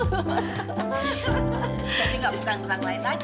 jadi gak butang butang lain lagi